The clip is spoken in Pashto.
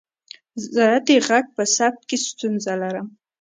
زه د غږ په ثبت کې ستونزه لرم.